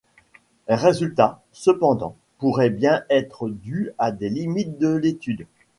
Les résultats, cependant, pourrait bien être due à des limites de l'étude.